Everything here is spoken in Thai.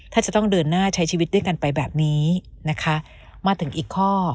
ถ้าจะต้องเดินหน้าใช้ชีวิตด้วยกันไปแบบนี้นะคะมาถึงอีกข้อ